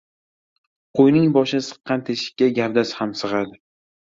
• Qo‘yning boshi siqqan teshikka gavdasi ham sig‘adi.